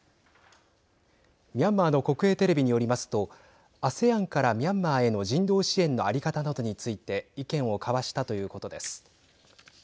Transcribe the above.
ミャンマーの国営テレビによりますとＡＳＥＡＮからミャンマーへの人道支援の在り方などについて意見を交わしたということです。